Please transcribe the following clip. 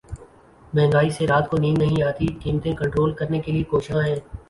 مہنگائی سے رات کو نیند نہیں آتی قیمتیں کنٹرول کرنے کے لیے کوشاں ہیں